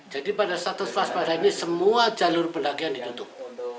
jadi pada status faspalanya ini semua jalur pendakian ditutup